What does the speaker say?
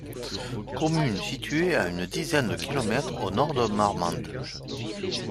Commune située à une dizaine de kilomètres au nord de Marmande.